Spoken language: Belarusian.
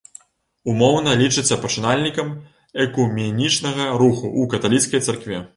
Умоўна лічыцца пачынальнікам экуменічнага руху ў каталіцкай царкве.